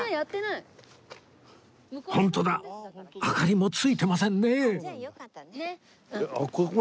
明かりもついてませんね